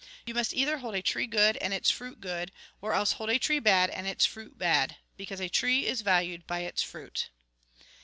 You must either hold a tree good, and its fruit good, or else hold a tree bad, and its fruit bad. Because a tree is valued by its fruit."